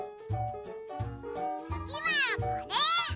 つぎはこれ！